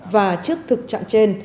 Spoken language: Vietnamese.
và trước thực trạng trên